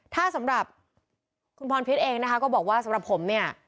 ถ้าสำหรับคุณพรพิษเองนะคะก็บอกว่าสำหรับผมเนี่ย